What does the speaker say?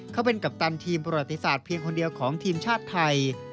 เขาเป็นกัปตันทีมประวัติศาสตร์เพียงคนเดียวของทีมชาติไทย